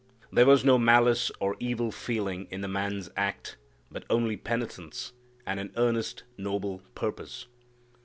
There was no malice or evil feeling in the man's act, but only penitence, and an earnest, noble purpose.